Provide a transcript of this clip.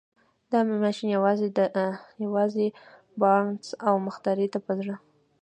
دا ماشين يوازې بارنس او مخترع ته په زړه پورې و.